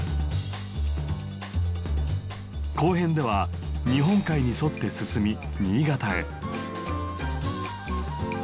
後編では日本海に沿って進み新潟へ。